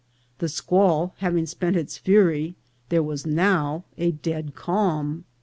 The squall having spent its fury, there was now a dead calm.